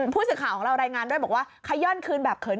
ผู้สื่อข่าวของเรารายงานด้วยบอกว่าขย่อนคืนแบบเขิน